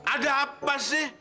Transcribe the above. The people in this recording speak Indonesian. ada apa sih